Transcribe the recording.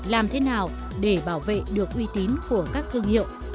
làm thế nào để bảo vệ được uy tín của các thương hiệu